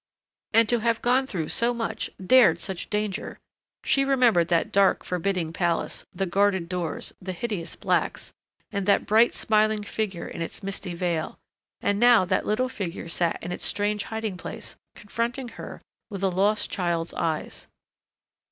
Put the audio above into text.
And to have gone through so much, dared such danger.... She remembered that dark, forbidding palace, the guarded doors, the hideous blacks and that bright, smiling figure in its misty veil.... And now that little figure sat in its strange hiding place, confronting her with a lost child's eyes....